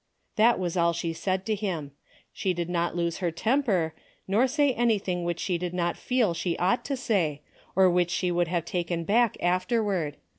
That was all she said to him. She did not lose her temper, nor say anything which she did not feel she ought to say, or which she would have taken back afterward.